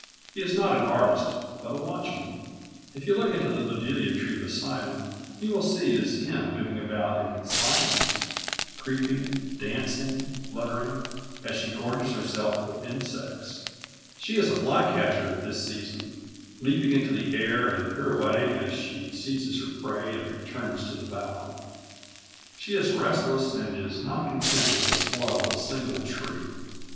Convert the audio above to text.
He is not an artist but a watchman. If you look into the buddleia tree beside him, you will see his hen moving about in silence, creeping, dancing, fluttering, as she gorges herself with insects. She is a fly catcher at this season, leaping into the air and pirouetting as she seizes her prey and returns to the bough. She is restless and is not content with the spoil of a single tree.